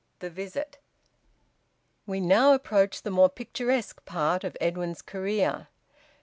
THE VISIT. We now approach the more picturesque part of Edwin's career.